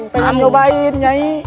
pengen nyobain nyai